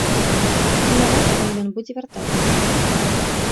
Пільнаваць, калі ён будзе вяртацца.